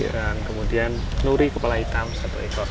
dan kemudian nuri kepala hitam satu ekor